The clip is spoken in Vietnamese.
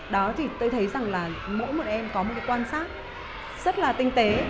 đó thì tôi thấy rằng là mỗi một em có một cái quan sát rất là tinh tế